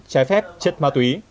trái phép chất ma túy